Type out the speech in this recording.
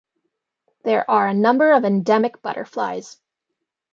There are a number of endemic butterflies.